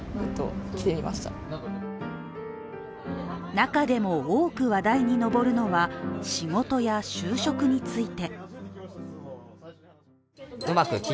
中でも多く話題に上るのは仕事や就職について。